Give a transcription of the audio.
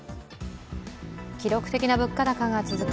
記録的な物価高が続く